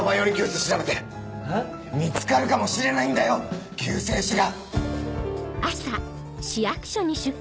見つかるかもしれないんだよ救世主が！